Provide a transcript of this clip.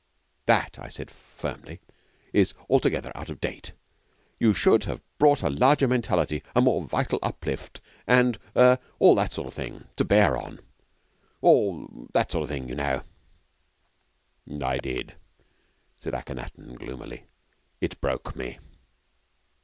'That,' I said firmly, 'is altogether out of date. You should have brought a larger mentality, a more vital uplift, and er all that sort of thing, to bear on all that sort of thing, you know.' 'I did,' said Ahkenaton gloomily. 'It broke me!'